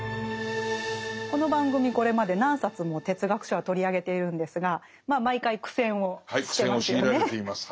この番組これまで何冊も哲学書は取り上げているんですがまあ毎回苦戦をしてますよね。